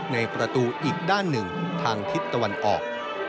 ในประตูอีกด้านหนึ่งทางทิศตะวันออก